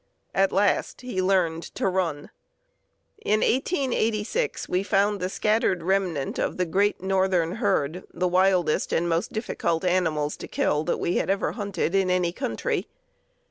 At last he learned to run. In 1886 we found the scattered remnant of the great northern herd the wildest and most difficult animals to kill that we had ever hunted in any country.